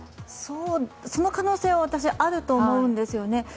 その可能性はあると思うんですよね